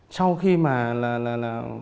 sau khi mà